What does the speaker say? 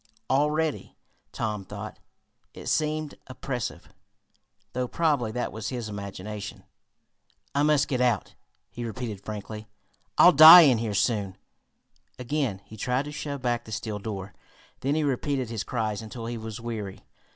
Already, Tom thought, it seemed oppressive, though probably that was his imagination. "I must get out!" he repeated frantically. "I'll die in here soon." Again he tried to shove back the steel door. Then he repeated his cries until he was weary.